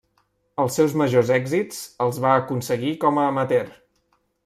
Els seus majors èxits els va aconseguir com a amateur.